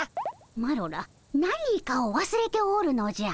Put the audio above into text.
マロら何かをわすれておるのじゃ。